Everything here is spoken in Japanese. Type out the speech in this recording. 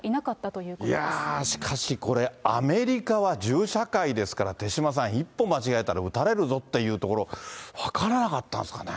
いやー、しかしこれ、アメリカは銃社会ですから、手嶋さん、一歩間違えたら撃たれるぞっていうところ、分からなかったんです